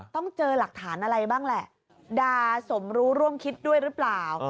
ต้องเจอหลักฐานอะไรบ้างแหละดาสมรู้ร่วมคิดด้วยหรือเปล่า